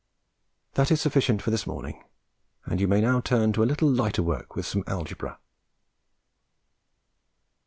That is sufficient for this morning, and you may now turn to a little lighter work with some algebra.